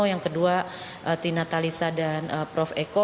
yang kedua tina talisa dan prof eko